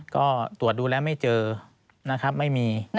ก็ตรวจดูแล้วไม่เจอนะครับไม่มี